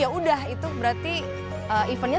ya sudah itu berarti eventnya sudah dijalankan